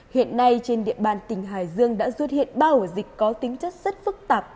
hiện nay trên địa bàn tỉnh hải dương đã xuất hiện ba ổ dịch có tính chất rất phức tạp